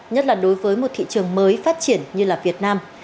nhất là đối với một thị trường mới phát triển như là việt nam